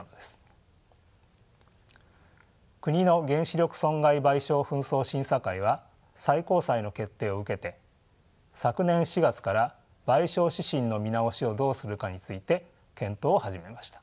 国の原子力損害賠償紛争審査会は最高裁の決定を受けて昨年４月から賠償指針の見直しをどうするかについて検討を始めました。